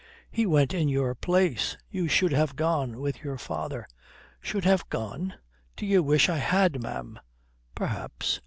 "He went in your place. You should have gone with your father." "Should have gone? D'ye wish I had, ma'am?" "Perhaps."